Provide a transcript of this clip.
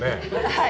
はい！